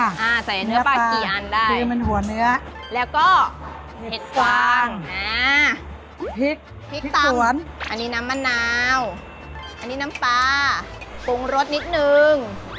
อ่าเสร็จเนื้อปลากี่อันได้แล้วก็เห็ดปลางพริกสวนอันนี้น้ำมะนาวน้ำปลาปรุงรสนิดนึง